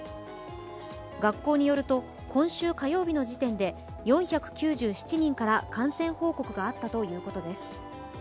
学校によると、今週火曜日の時点で４９７人から感染報告があったということです。